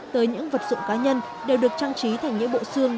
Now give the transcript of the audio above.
tới những vật dụng cá nhân đều được trang trí thành những bộ xương